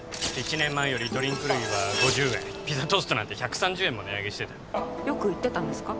１年前よりドリンク類は５０円ピザトーストなんて１３０円も値上げしてたよく行ってたんですか？